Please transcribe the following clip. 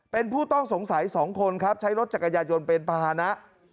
เป็นผู้ต้องสงสัย๒คนครับใช้รถจักรยายนเป็นภาษณะ